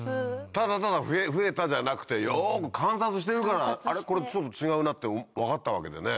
ただただ増えたじゃなくてよく観察してるから「これちょっと違うな」って分かったわけでね。